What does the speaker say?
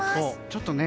ちょっとね